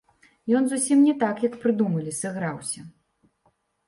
Ён зусім не так, як прыдумалі, сыграўся.